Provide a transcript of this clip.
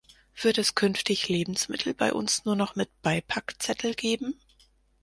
Wird es künftig Lebensmittel bei uns nur noch mit Beipackzettel geben?